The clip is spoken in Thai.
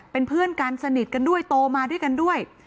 เป็นเพื่อนกันสนิทกันด้วยโตมาด้วยกันด้วย